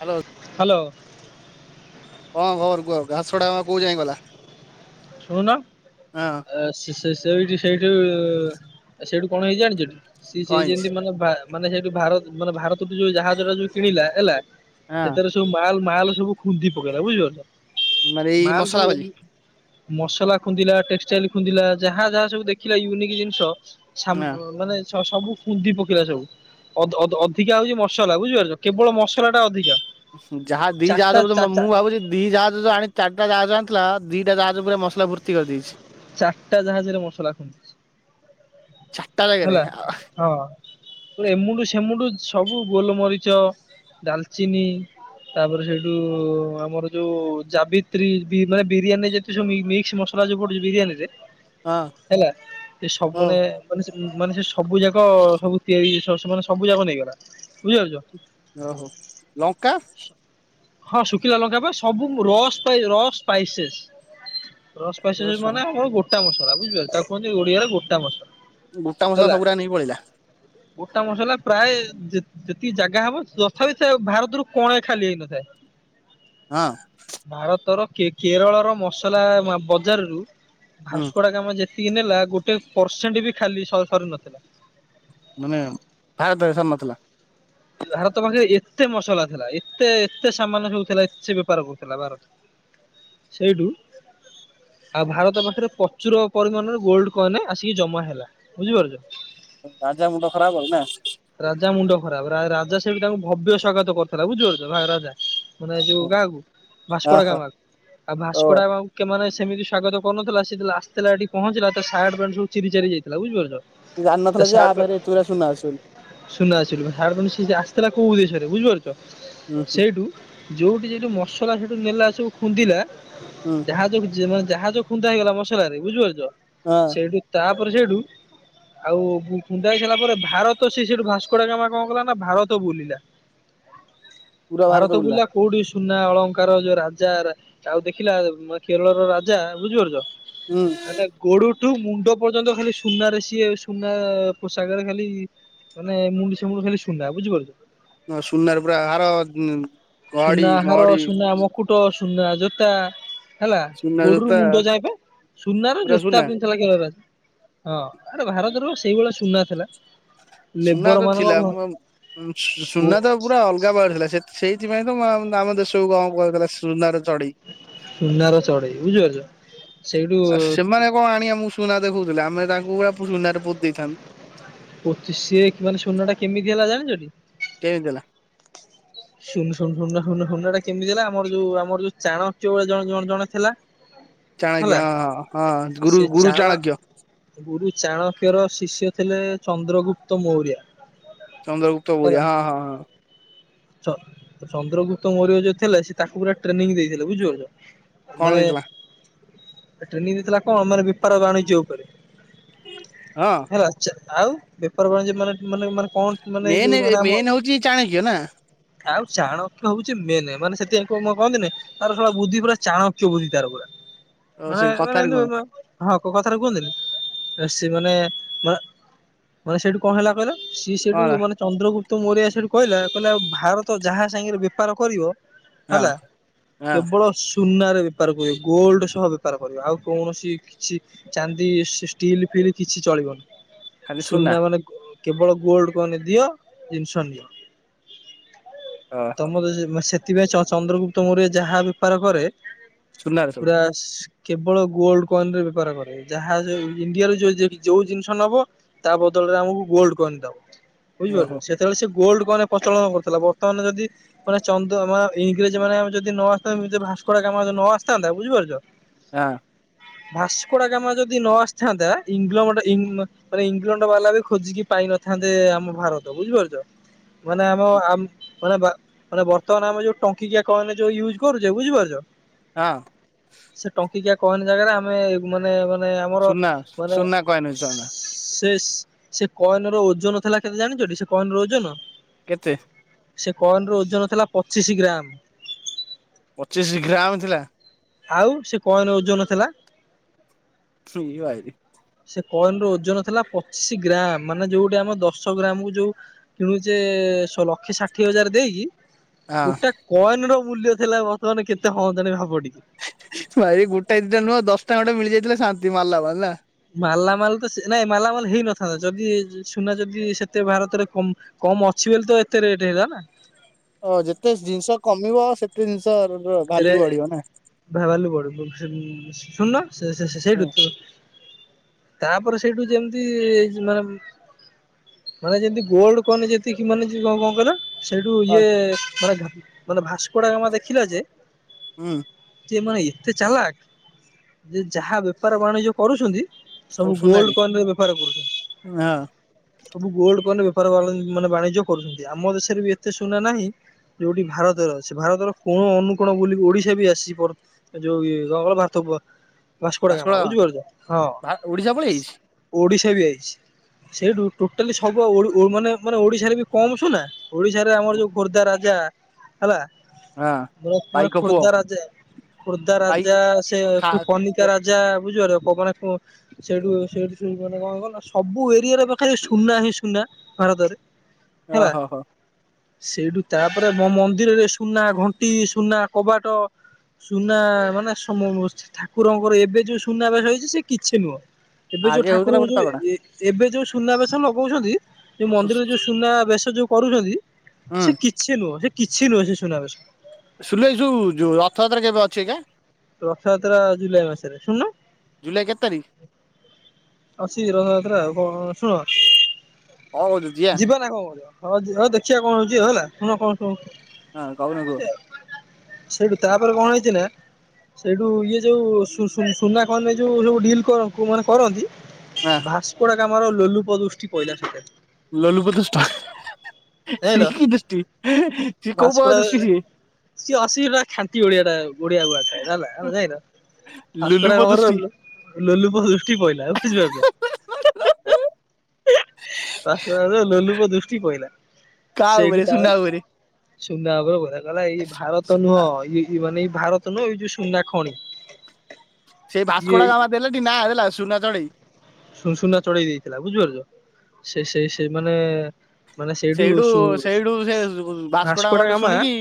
Hello. Hello. ହଁ କଣ ଖବର କୁହ? ଘାସଡ଼ା ଗାମା କୋଉ ଯାଏ ଗଲା? ଶୁଣୁନ? ହଁ ସେଇଠି ସେଇଠୁ ସେଇଠୁ କଣ ହେଇଛି ଯାଣିଛନ୍ତି? ସି କଣ ସେ ହେଇଛି ଯେମିତି ମାନେ ଭାରତ ମାନେ ଭାରତୁ ଯୋଉ ଜାହାଜ ଟା ଯୋଉ କିଣିଲା ହେଲା। ହଁ ସେଥିରେ ସବୁ ମାଲ ମାଲ ସବୁ ଖୁନ୍ଦି ପକେଇଲା ବୁଝିପାରୁଛ? ଆରେ ଏଇ ମାଲ ମସଲା ସବୁ ଭାଜି। ମସଲା ଖୁନ୍ଦିଲା, ଟେକ୍ସଟାଇଲ ଖୁନ୍ଦିଲା, ଯାହା ଯାହା ସବୁ ଦେଖିଲା ୟୁନିକ୍ ଜିନିଷ। ହଁ ସାମ ସମ୍ ମାନେ ସବୁ ଖୁନ୍ଦି ପକେଇିଲା ସବୁ। ଅଧ୍ ଅଧ୍ ଅଧିକା ହଉଛି ମସଲା ବୁଝିପାରୁଛ କେବଳ ମସଲା ଟା ଅଧିକା। ଯାହା ଦି ଯାହା ଚାରିଟା ସବୁ ତ ମୁଁ ଭାବୁଛି ଦି ଜାଜ ଯୋଉ ଆଣି ଚାରିଟା ଜାଜ ଆଣିଥିଲା ଦିଟା ଜାଜ ପୁରା ମସଲା ଭର୍ତ୍ତି କରିଦେଇଛି। ଚାଟା ଜାହାଜରେ ମସଲା ଚାରିଟା ଜାଗାରେ ହେଲା। ହଁ ଏମୁଣ୍ଡୁ ସେମୁଣ୍ଡୁ ସବୁ ଗୋଲମରିଚ ଡାଲଚିନି ତାପରେ ସେଇଠୁ ଆମର ଯୋଉ ଯାବିତ୍ରୀ ବି ମାନେ ବିରିୟାନୀ ଯେତେ ସବୁ ମି ମିକ୍ସ ମସଲା ଯୋଉ ବିରିୟାନୀରେ ହେଲା ଏ ସବୁ ହଉ ମାନେ ମାନେ ସେ ମାନେ ସେ ସବୁ ଯାକ ସବୁ ତିଆରି ସେ ସେମାନେେ ସବୁ ଯାକ ନେଇଗଲା। ବୁଝିପାରୁଛ? ଓହୋ। ଲଙ୍କା? ହଁ ଶୁଖିଲା ଲଙ୍କା ପା ସବୁ ମୁ ରସ୍ ପା ରସ୍ ସ୍ପାଇସେସ୍। ରଷ୍ଟ ସ୍ପାଇସେସ ମାନେ ଆମ ଗୋଟା ମସଲା। ବୁଝିପାରିଲ ତାକୁ କୁହନ୍ତି ଓଡିଆରେ ଗୋଟା ମସଲା। ଗୋଟା ମାସଲା ହେଲା ସବୁରା ନେଇକି ପଳେଇଲା। ଗୋଟା ମସଲା ପ୍ରାୟ ଯେତ ଯେତିକି ଜାଗା ହବ ତଥାପି ସେ ଭାରତରୁ କଣ ଏ ଖାଲି ହେଇନଥାଏ। ହଁ। ଭାରତର କେ କେରଳର ମସଲା ବଜାରରୁୁ ହୁଁ ଭାସକୋଡାଗାମା ଯେ ତିକି ନେଲା ଗୋଟେ ପରସେଣ୍ଟ ବି ଖାଲି ସର ସରି ନଥିଲା। ମାନେ ଭାରତ ରେ ସରି ନଥିଲା। ଭାରତ ପାଖରେ ଏତେ ମସଲା ଥିଲା ଏତେ ଏତେ ସାମାନ ସବୁ ହଉଥିଲା ଏତେ ବେପାର କରୁଥିଲା ଭାରତ। ସେଇଠୁ ଆଉ ଭାରତ ପାଖରେ ପ୍ରଚୁର ପରିମାଣରେ ଗୋଲ୍ଡ କଏନ ଆସିକି ଜମା ହେଲା ବୁଝିପାରୁଚ? ରାଜା ମୁଣ୍ଡ ଖରାପ ଆଉ। ନା? ରାଜା ମୁଣ୍ଡ ଖରାପ ରା ରାଜା ସେଇଠୁ ତାଙ୍କୁ ଭବ୍ୟ ସ୍ୱାଗତ କରୁଥିଲା ବୁଝିପାରୁଚ ଭା ରାଜା। ମାନେ ଯୋଉ କା କୁ? ଓହୋ ଭାସ୍କଡ଼ାଗାମା କୁ। ଆଉ ଓ ଭାସ୍କଡ଼ାଗାମା କୁ କେମାନେ ସେମିତି ସ୍ଵାଗତ କରୁନଥିଲା ସେ ଯେତେବେଳେ ଆସିଥିଲା ଏଠି ପହଞ୍ଚିଲା ତା ସାର୍ଟ ପ୍ୟାଣ୍ଟ ସବୁ ଚିରି ଚାରି ଯାଇଥିଲା। ବୁଝିପାରୁଚ। ତା ଜାଣିନଥିଲା ଯେ ଆ ସାର୍ଟ ପାଖରେ ଏତେଗୁରା ସୁନା ଅଛି ବୋଲି ସୁନା ଆସିଲୁ [unintelligible] ଆସିଥିଲା କୋଉ ଉଦେଶରେ ବୁଝିପାରୁଛ ହୁଁ ହୁଁ ସେଇ ଯୋଉଠି ଯୋଉଠି ମସଲା ସେଠୁ ନେଲା ସବୁ ଖୁନ୍ଦିଲା ହୁଁ। ଜାହଜ ଭି ମାନେ ଜାହାଜ ଖୁନ୍ଦା ହେଇଗଲା ମସଲା ରେ ବୁଝିପାରୁଚ ହଁ ସେଇଠୁ ତାପରେ ସେଇଠୁ ଆଉ ଖୁନ୍ଦା ହେଇ ସାରିଲା ପରେ ଭାରତ ସେ ସେଇଠୁ ଭାସ୍କଡାଗାମା କଣ କଲା ନା ଭାରତ ବୁଲିଲା ପୁରା ଭାରତ ବୁଲିଲା ବୁଲା କୋଉଠି ସୁନା ଅଳଙ୍କାର ଯୋଉ ରାଜା ରା ଆଉ ଦେଖିଲା ଉ ମ କେରଳର ରାଜା ବୁଝିପାରୁଚ। ଉଁ। ହେଲା ଗୋଡଠୁ ମୁଣ୍ଡ ପର୍ଯ୍ୟନ୍ତ ଖାଲି ସୁନାରେ ସିଏ ସୁନା ପୋଷାକରେ ଖାଲି ମାନେ ଏମୁଣ୍ଡୁ ସେ ମୁମୁଣ୍ଡୁ ଖାଲି ସୁନା ବୁଝିପାରୁଚ। ସୁନାର ପୁରା ଆର ଘଡି ମଡି ମୁକୁଟ ସୁନା ଜୋତା ହେଲା ସୁନା ଗୋଡରୁ ଜୋତା ମୁଣ୍ଡ ଯାଏ ପା ସୁନାର ପୁରା ଜୋତା ସୁନା ପିନ୍ଧି ଥିଲା [unintelligible] ହଁ ଆରେ ଭାରତରେ ପା ସେଇଭଳିଆ ସୁନା ଥିଲା। ସୁନା ଲେବର ତ ମାନ ଥିଲା ମୁ ସୁନା ତ ପୁରା ଅଲଗା ପ୍ରକାର ଥିଲା ସେଇଥିପାଇଁ ତ ଆମ ଦେଶକୁୁ କଣ କହାହୋଉଥିଲା ସୁନାର ଚଢେଇ। ସୁନାର ଚଢେଇ ବୁଝିପାରୁଚ। ଆଉ ସେମାନେ କଣ ଆଣିକି ଆମକୁ ସୁନା ଦେଖଉଥିଲେ ଆମେ ତାଙ୍କୁ ପା ସୁନାରେ ପୋତି ଦେଇଥାନ୍ତୁ। ପୋତି ସେ ମାନେ ସୁନା ଟା କେମିତି ହେଲା ଜାଣିଚ ଟି? କେନ୍ତି ଦେଲା? ଶୁଣୁ ଶୁଣୁ ଶୁଣ ଶୁଣୁ ଶୁଣନ ଏଟା କେମିତି ହେଲା ଆମର ଯୋଉ ଆମର ଯୋଉ ଚାଣକ୍ୟ ଜଣ ଜଣ ଜଣେ ଥିଲା ଚାଣକ୍ୟ ହେଲା ହଁ ହଁ ହଁ ଗୁରୁ ସେ ଗୁରୁ ଚାଣ ଚାଣକ୍ୟ। ଗୁରୁ ଚାଣକ୍ୟର ଶିଷ୍ୟ ଥିଲେ ଚନ୍ଦ୍ରଗୁପ୍ତ ମୌର୍ୟା। ଚନ୍ଦ୍ରଗୁପ୍ତ ବୋର୍ୟ ହଁ ହଁ ହଁ। ଚ ଚନ୍ଦ୍ରଗୁପ୍ତ ମୌର୍ଯ୍ୟ ଯୋଉ ଥିଲେ ସେ ତାକୁ ପୁରା ଟ୍ରେନିଂ ଦେଇଥିଲେ। ବୁଝିପାରୁଚ? କଣ ଦେଇଥିଲା ମାନେ ଟ୍ରେନିଂ ଦେଇଥିଲା କଣ ମାନେ ବେପାର ଆଉ ବାଣିଜ୍ୟ ଉପରେ। ହଁ। ହେଲା ଚା ଆଉ ବେପାର ବାଣିଜ୍ୟ ମାନେ ମାନେ ମାନେ କଣ ମାନେ ଏ ମେନ୍ ଯୋଉ ମାନେ ଆମ ମେନ୍ ହଉଛି ଚାଣକ୍ୟ ନା? ଆଉ ଚାଣକ୍ୟ ହଉଛି ମେନ ମାନେ ସେଥିପାଇଁ କ କହନ୍ତିନି ତାର ସଲା ବୁଦ୍ଧି ପୁରା ଚାଣକ୍ୟ ବୁଦ୍ଧି ତାର ପୁରା। ଓ ସେ ମାନେ ମାନେ କଥାରେ କୁହନ୍ତୁ ହଁ କଥାରେ କୁହନ୍ତିନି ସେ ମାନେ ମାନେ ସେଇଠୁ କଣ ହେଲା କହିଲ? ସିଏ ସେଇଠୁ କଣ ମାନେ ଚନ୍ଦ୍ରଗୁପ୍ତ ମୋରିଆ ସେଠୁ କହିଲା, କହିଲା ଭାରତ ଯାହା ସାଙ୍ଗରେ ବେପାର କରିବ ହେଲା ହଁ ହଁ କେବଳ ସ୍ ଟୁନାରେ ବେପାର କରିବ ଗୋଲଡ ସହ ବେପାର କରିବ। ଆଉ କୌଣସି କିଛି ଚାନ୍ଦି ସେ ଷ୍ଟିଲ୍ ଫିଲ୍ କିଛି ଚଳିବନି। ସୁନା ମାନେ କେବଳ ଗୋଲଡ କଏନ ଦିଅ ଜିନିଷ ନିଅ। ଆ ମୋ ସେଥିପାଇଁ ଚନ୍ଦ୍ରଗୁପ୍ତ ମୋର୍ୟ ଯାହା ବେପାର କରେ, ସୁନାରେ ସବୁ ପୁରା ସେ କେବଳ ଗୋଲଡ କଏନରେ ବେପାର କରେ। ଯାହା ଇଣ୍ଡିଆରେ ଯୋଉ ଜିନିଷ ନବ ତା ବଦଳରେ ଆମକୁ ଗୋଲଡ କଏନ ଦବ ଓହୋ ବୁଝିପାରଛ? ସେତେବେଳେ ସେ ଗୋଲଡ କଏନ ପ୍ରଚଳନ କରୁଥିଲା। ବର୍ତ୍ତମାନ ଯଦି ମାନ ଚନ୍ଦ୍ର ଆ ଇଂରେଜ ମାନେ ଯଦି ନ ଆସତା ଭସ୍କୋଡାଗାମା ଯଦି ନ ଆସିଥାନ୍ତା ବୁଝିପାରୁଛ? ଆଁ। ଭାସ୍କୋଡା ଗାମା ଯଦି ନ ଆସିଥାନ୍ତା ଇଂଲମଣ୍ଡ ଇଙ୍ଗ୍ ମାନେ ଇଂଲଣ୍ଡ ବାଲା ବି ଖୋଜିକି ପାଇନଥାନ୍ତେ ଆମ ଭାରତ। ବୁଝିପାରୁଛ? ମାନେ ଆମ ଆମ ମାନେ ଭା ମାନେ ବର୍ତ୍ତମାନ ଆମ ଯୋଉ ଟଙ୍କିକିଆ କଏନ୍ ଯଉ ୟୁଜ କରୁଛେ, ବୁଝିପାରୁଛ। ହଁ। ସେ ଟଙ୍କିକିଆ କଏନ ଜାଗାରେ ଆମେ ମାନେ ମାନେ ଆମର ସୁନା ମାନେ ସୁନା କଏନ ସୁନା ସେ ସେ କଏନ ର ଓଜନ ଥିଲା କେତେ ଜାଣିଛ ଟି ସେ କଏନ ର ଓଜନ? କେତେ? ସେ କଏନ ର ଓଜନ ଥିଲା ପଚିଶି ଗ୍ରାମ୍। ପଚିଶି ଗ୍ରାମ ଥିଲା? ଆଉ ସେ କଏନ ଓଜନ ଥିଲା। ଫ୍ରୀ ୟୁଏଇରି। ସେ କଏନ ର ଓଜନ ଥିଲା ପଚିଶି ଗ୍ରାମ୍। ମାନେ ଯୋଉଠି ଆମ ଦଶ ଗ୍ରାମ କୁ ଯୋଉ ଯେ ଶ ଲକ୍ଷେ ଷାଠିଏ ହଜାର ଦେଇକି ହଁ। ଗୋଟା କଏନ ର ମୂଲ୍ୟ ଥିଲା ବର୍ତ୍ତମାନ କେତେ ହିଁତାନୀ ହେବଣି। ଭାଇ ଗୋଟା ଦିଟା ନୁହଁ ଦଶଟାଖଣ୍ଡେ ମିଳିଯାଇଥିଲେ ଶାନ୍ତି ମାଲାମାଲ୍ ନା? ମାଲାମାଲ ତ ସେ ନାଇଁ ମାଲାମାଲ ହେଇନଥାନ୍ତା। ଯଦି ସୁନା ଯଦି ସେତେ ଭାରତରେ କମ କମ୍ ଅଛି ବୋଲି ତ ଏତେ ରେଟ୍ ହେଲା ନା ଅ ଯେତେ ଜିନିଷ କମିବ ସେତେ ଜିନିଷ ର୍ ରେ ଭାଲୁ ବଡ ଶୁନୁଣ ସେ ସେ ସେ ସେଇଠୁୁ ତାପରେ ସେଇଠୁ ଯେମିତି ମାନେ ମାନେ ଯେମିତି ଗୋଲଡ କଏନ ଯେତିକି ମାନେ କଣ କହିଲ? ସେଇଠୁ ହଁ ଇଏ ମାନେ ମାନେ ଭାସ୍କଡାଗାମା ଦେଖିଲା ଯେ ହଁ। ଯେ ମାନେ ଏତେ ଚାଲାକ, ଯେ ଯାହା ବେପାର ବାଣିଜ୍ୟ କରୁଛନ୍ତି ସବୁ ଗୋଲଡ କଏନ ରେ ବେପାର କରୁ ହଁ ସବୁ ଗୋଲଡ କଏନ୍ ବେପାର ବାଣୀ ମାନେ ବାଣିଜ୍ୟ କରୁଛନ୍ତି। ଆମ ଦେଶରେ ବି ଏତେ ସୁନା ନାହିଁ ଯୋଉଠି ଭାରତର ଅଛି। ଭାରତର କୋଣ ଅନୁ କଣ ବୁଲି ଓଡ଼ିଶା ବି ଆସିବ ଯୋଉ ଏ ରଳ ଭାର ଭାସ୍କୋଡ଼ାଗାମା ଭାସ୍କର ବୁଝିପାରୁଛ ହଁ। ଭା ଓଡିଶା ପଳେଇ ଆଇଛି ଓଡ଼ିଶା ବି ଆଇଛି ସେଇଠୁ ଟୋଟାଲି ସବୁ ଓ ଓ ମାନେ ମାନେ ଓଡ଼ିଶାରେ ବି କମ୍ ସୁନା। ଓଡ଼ିଶାରେ ଆମର ଯୋଉ ଖୋର୍ଦ୍ଧା ରାଜା ହେଲା ହଁ। ଭରତ କୁମାର ପାଇକ ପୁଅ ଖୋର୍ଦ୍ଧା ରାଜା ଖୋର୍ଦ୍ଧା ପାଇ ରାଜା ସେ ଖା ପନି ତା ରାଜା ବୁଝିପାରଲ ପବନା ପୁଅ ସେଠୁ ସେଠୁ ମାନେ କଣ କହିଲ ସବୁ ଏରିଆରେ ପା ଖାଲି ସୁନା ହିଁ ସୁନା ଭାରତରେ। ଓ ହେଲା। ହୋ, ହୋ। ସେଇଠୁ ତାପରେ ମୋ ମନ୍ଦିରରେ ସୁନା ଘଣ୍ଟି ସୁନା କବାଟ ସୁନା ମାନେ ସମୁ ଠାକୁରଙ୍କର ଏବେ ଯୋଉ ସୁନାବେସ ହେଇଛି ସେ କିଛି ନୁହଁ। ଏବେ ଯୋଉ ଆଗେ ହଉଥିଲା ଠାକୁରଙ୍କୁ ଗୋଟେ ଯୋଉ ତଗଡା ଏ ଏବେ ଯୋଉ ସୁନାବେଶ ଲଗଉଛନ୍ତି, ଯୋଉ ମନ୍ଦିରରେ ଯୋଉ ସୁନାବେଶ ଯୋଉ କରୁଛନ୍ତି ହୁଁ ସେ କିଛି ନୁହଁ, ସେ କିଛି ନୁହେ ସେ ସୁନାବେଶ। ଶୁଣିଲ ଏ ଯୋଉ ଯୋଉ ରଥଯାତ୍ରା କେବେ ଅଛି ଏକା? ରଥ ଯାତ୍ରା ଜୁଲାଇ ମାସରେ ଶୁନୁ ଜୁଲାଇ କେତେ ତାରିଖ? ଅଛି ରଥଯାତ୍ରା ଆଉ କଣ ଶୁଣ? ଯିବା ନାଁ କଣ କହୁଛ ହଁ ଯିବା ଦେଖିଆ କଣ ହଉଛି ହେଲା ଶୁଣ କଣ ଶୁଣ ହଁ କହୁନ କୁହ। ସେଇଠୁ ତାପରେ କଣ ହେଇଛି ନା ସେଇଠୁ ଇଏ ଯୋଉ ସୁ ସୁ ସୁନା କଣ ନି ଯୋଉ ସୁ ଡିଲ୍ କର୍ ମାନେ କରନ୍ତି। ନା। ଭାସ୍କୋଡାଗାମାର ଲୋଲୁପଦୁଷ୍ଟି ପଇଲା ସେଠାରେ। ଲୋଲୁପ ଦୃଷ୍ଟି [unintelligible] ସେ ଜାଣିଲ କି ଦୃଷ୍ଟି ସେ କୋଉ ପକାର ଭାସ୍କୋଡା ଦୃଷ୍ଟି ଟି? ସିଏ ଅଶି ହେଟା ଖାଣ୍ଟି ଓଡ଼ିଆ ଟା ଓଡ଼ିଆ ୱାର୍ଡ଼ ଟା ଏଟା ହେଲା ଯାଇଁଲ ଭାସ୍କୋଡ଼ାଗାମାର ଲୋ ଲୋଲୁପ ଦୃଷ୍ଟି ପଇଲା ବୁଝିପାରୁଛ? [unintelligible] ଭାସ୍କୋଡ଼ାଗାମା ର ଲୋଲୁପ ଦୃଷ୍ଟି ପଇଲା। କା ସେଇଠି ଉପରେ ତାରେ ସୁନା ଉପରେ ସୁନା ଉପରେ ପଇଲା କହିଲା ଇଏ ଭାରତ ନୁହଁ ଇ ଏ ମାନେ ଏ ଭାରତ ନୁଏ ଏଇ ଯୋଉ ସୁନା ଖଣି। ସେଇ ଇଏ ଭାସ୍କୋଡ଼ାଗାମା ଦେଲେଟି ନାଁ ଦେଲା ସୁନା ଚଢ଼େଇ। ସୁ ସୁ ସୁନା ଚଢ଼େଇ ଦେଇଥିଲା, ବୁଝିପାରୁଛ ସେ ସେ ସେଇ ମାନେ ମାନେ ସେଇଠୁ ସୁ ସେଇଠୁ ସେ ଭାସ୍କୋଡା ଭାସ୍କୋଡ଼ାଗାମାଠୁ ଗାମା ଶୁଣିକି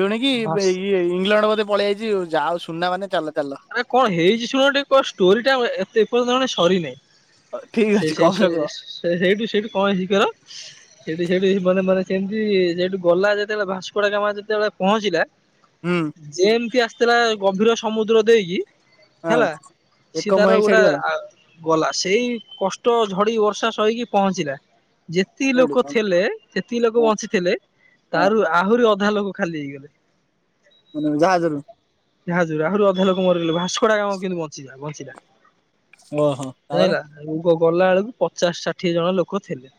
ଶୁଣିକି ଇ ଭାସ୍ ଇଏ ଇଂଲଣ୍ଡ ବୋଧେ ପଳି ଆଇଛି ଯା ହୋଉ ସୁନା ମାନେ ଚାଲ ଚାଲ। ଆରେ କଣ ହେଇଛି ଶୁଣ ଟିକେ କ ଷ୍ଟୋରି ଟା ଏତେ ଏ ପର୍ଯ୍ୟନ୍ତ ମାନେ ସରି ନେଇଁ। ଠିକ ସେ ଅଛି ସେଇ କହୁନ ସେ କୁହ ସେଇଠୁ ସେଇଠୁ କଣ ହେଇଛି କହିଲ? ସେଠି ସେଠି ମାନେ ମାନେ ସେମିତି ସେଠୁ ଗଲା ଯେତେବେଳେ ଭାସ୍କୋଡ଼ାଗାମା ଯେତେବେଳେ ପହଞ୍ଚିଲା। ହୁଁ। ଯେମିତି ଆସିଥିଲା ଗଭୀର ସମୁଦ୍ର ଦେଇକି। ହଁ ହେଲା ସେ ଏକ ମୁହାଁ ତାର ହେଇ ଗୋଟେ ସେଇଠି ଗଲା ଆ ଗଲା, ସେଇ କଷ୍ଟ ଝଡ଼ି ବର୍ଷା ସଇକି ପହଞ୍ଚିଲା ଯେତିକି କୋଉଠୁ ଲୋକ କଣ ଥିଲେ ସେତିକି ଲୋକ ହଁ ବଞ୍ଚିଥିଲେ, ହଁ ତାରୁ ଆହୁରି ଅଧା ଲୋକ ଖାଲି ହେଇଗଲେ। ମାନେ କଁ ଜାହାଜରୁ ଜାହାଜରୁ ଆହୁରି ଅଧା ଲୋକ ମରିଗଲେ, ଭାସ୍କୋଡ଼ାଗାମା କିନ୍ତୁ ବଞ୍ଚିଲା ବଞ୍ଚିଲା। ଓହୋ। ତାପରେ ଯାଇଲା ଗଲା ବେଳକୁ ପଚାଶ ଷାଠିଏ ଜଣ ଲୋକ ଥିଲେ।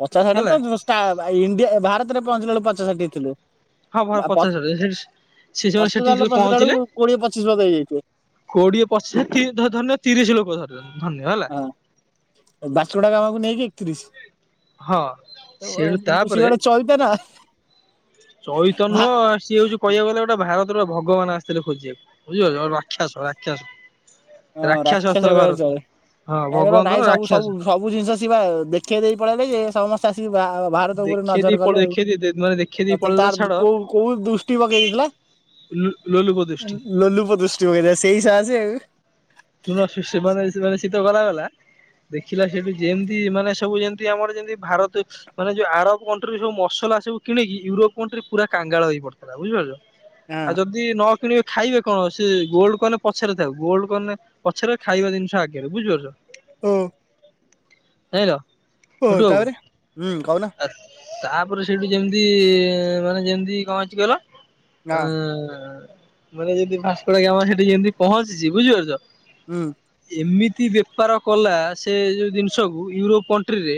ପଚାଶ ଷାଠିଏ ହେଲା ତ ଧୂଷ୍ଟା ଭାଇ ଇଣ୍ଡିଆ ଭାରତରେ ପହଞ୍ଚିଲା ବେଳକୁ ପଚାଶ ଷାଠିଏ ଥିଲେ। ହଁ ହଁ ବାପ ପଚାଶ ଷାଠିଏ ସେ ଜଣ ସେଠି ପର୍ତୁଗାଲକୁ ଯେତେବେଳେ ପହଁଚିଲା ପହଞ୍ଚିଲେ ବେଳକୁ କୋଡ଼ିଏ ପଚିଶ ବୋଧେ ହେଇଯାଇଥିବେ। କୋଡିଏ ପଚିଶ ଧନ୍ୟ ତିରିଶ ଲୋକ ଧର ଧନ୍ୟ ହେଲା। ହଁ ବାସ୍କୋଡ଼ାଗାମାକୁ ନେଇକି ଏକତିରିଶି। ହଁ ସେଇଠୁ ସିଏ ଗୋଟେ ଚୈତା ନା। ଚଇତ ଭା ନୁହଁ ସିଏ ହଉଛି କହିବାକୁ ଗଲେ ଗୋ ଗୋଟେ ଭାରତର ଭଗବାନ ଆସିଥିଲେ ଖୋଜିବାକୁ ବୁଝିପାରୁଛ, ରାକ୍ଷସ ରାକ୍ଷାସ। ହଁ ରାକ୍ଷାସ ରାକ୍ଷସ ଆସିଥିଲା କହିଲେ ଭାରତକୁ ଚ଼ଳେ, ହଁ କାଇଁ କହିଲ ଭଗବନ୍ତ ନାଇଁ ନୁହଁ ସବୁ ରାକ୍ଷାସ ସବୁ। ସବୁ ଜିନିଷ ସେପା ଦେଖେଇ ଦେଇ ପଳେଇଲେ ଇଏ ସମସ୍ତ ଙ୍କୁ ଚାଷି କି ଭା ଭାରତ ଉପରେ ଦେଖେଇ ଦେଇ ନଜର ପଳେଇ କଲେ ଦେଖେଇ ଦେଇ ମାନେ ଦେଖେଇ ଦେଇ ଆଉ ତ ପଳେଇଲା ତାର ଛାଡ କୋଉ କୋଉ ଦୃଷ୍ଟି ପକେଇ ଦେଇଥିଲା। ଲୁ ଲୁଲୁପଦୃଷ୍ଟି। ଲୁଲୁପଦୃଷ୍ [unintelligible] ସେଇ ସାହାସେଉ। [unintelligible] ସିତ କରା ଗଲା ଦେଖିଲା ସେଠି ଯେମିତି ମାନେ ସବୁ ଯେମିତି ଆମର ଯେମିତି ଭାରତ ମାନେ ଯୋଉ ଆରବ କଣ୍ଟ୍ରିର ସବ ମସଲା ସବୁ କିଣିକି ୟୁରୋପ କଣ୍ଟ୍ରି ପୁରା କାଙ୍ଗାଳ ହେଇ ପଡିଥିଲା ବୁଝି ପାରୁଛ। ଆଉ ଯଦି ନ କିଣିବେ ଖାଇବେ କଣ? ସେ ଗୋଲ୍ଡ କଏନ୍‌ ପଛରେ ଥାଉ ଗୋଲଡ କଏନ୍ ପଛରେ ଖାଇବା ଜିନିଷ ଆଗରେ ବୁଝିପାରୁଛ। ଓ। ଜାଣିଲ ଓ ଓ ଟୁଟୁ ବାବୁ! ତାପରେ ହୁଁ କହୁନ ଆସ୍‌ ତାପରେ ସେଇଠୁ ଯେମିତି ମାନେ ଯେମିତି କଣ ହେଇଛି କହିଲ? ଅଂ ହଁ ମାନେ ଯଦି ଫାଷ୍ଟରେ [unintelligible] ଯେମିତି ପହଞ୍ଚିଛି ବୁଝିପାରୁଛ। ହୁଁ। ଏମିତି ବେପାର କଲା ସେ ଯୋଉ ଜିନିଷକୁ ୟୁରୋପ କଣ୍ଟ୍ରିରେ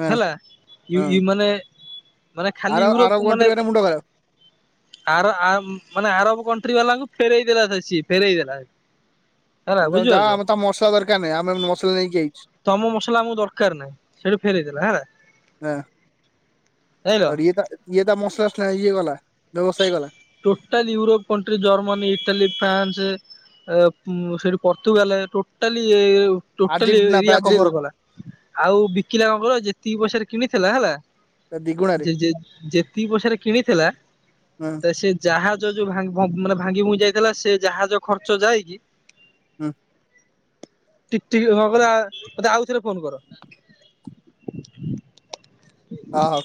ହଁ ହେଲା ହଁ ମାନେ ମାନେ ଆର ଖାଲି ଆରବ ୟୁରୋପକୁ କଣ୍ଟ୍ରି ମାନେ ମୁଣ୍ଡ ଖରାପ। ଆର ଆ ମାନେ ଆରବ କଣ୍ଟ୍ରି ବାଲାଙ୍କୁ ଫେରଇଦେଲା ସେ ସିଏ ଫେରଇ ଦେଲା। ହେଲା ତମେ ତମ ଯାଅ ବୁଝିପାରୁଛ ଆମେ ତ ମସଲା ଦରକାର ନାହିଁ। ଆମେ ମସଲା ନେଇକି ଆଇଛୁ। ତମ ମସଲା ଆମକୁ ଦରକାର ନାହିଁ। ସେଇଠୁ ଫେରଇଦେଲା ହେଲା। [unintelligible] ଦେଇଲ। ଇଏତା ଇଏତା ମସଲା ଇଏଗଲା ବ୍ୟବସାୟ କଲା। Totally Europe country, Germany, Italy, France ଏ ସେଉଠୁ Portugal totally totally Argentina area Brazil cover କଲା। ଆଉ ବିକିଲା ଲଙ୍ଗଳ ଯେତିକି ପଇସାାରେ କିଣିଥିଲା ହେଲା। ଦିଗୁଣାରେ ଯେ ଯେତିକି ପଇସାରେ କିଣିଥିଲା [unintelligible] ସେ ଜାହାଜ ଯୋ ଭାଙ୍ଗ ଭୋ ଭାଙ୍ଗି ଭୁଙ୍ଗି ଯାଇଥିଲା ସେ ଜାହାଜ ଖର୍ଚ୍ଚ ଯାଇକି ଉଁ। ଠିକ ଠିକ ଦ୍ଭାବରେ ମତେ ଆଉଥରେ ଫୋନ କର। ଅ ହଉ।